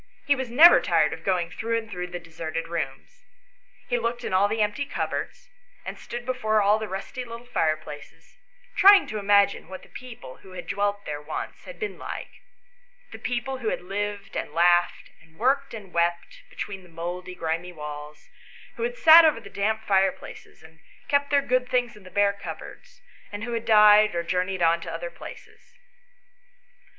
He was never tired of going through and through the deserted rooms. He looked in all the empty cupboards, and stood before all the rusty little fireplaces, trying to imagine what the people, who had dwelt there once, had been like ; the people who had lived, and laughed, and worked, and wept, be tween the mouldy grimy walls; who had sat over the damp fireplaces, and kept their good things in the bare cupboards, and who had died or journeyed on to other places.